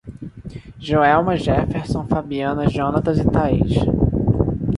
Joelma, Jefferson, Fabiana, Jonatas e Taís